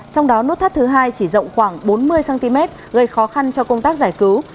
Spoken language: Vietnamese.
trong đó nút thắt thứ hai chỉ rộng khoảng bốn mươi cm gây khó khăn cho công tác giải cứu